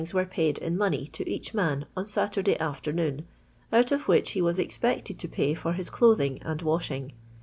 were paid in money to each man on Saturday afternoon, out of which he was expected to pay for his clothing and washing.